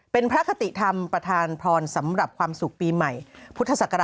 เป็นพระคติธรรมประธานพรสำหรับความสุขปีใหม่พุทธศักราช